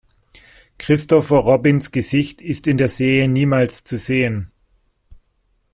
Christopher Robins Gesicht ist in der Serie niemals zu sehen.